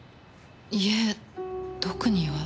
いえ特には。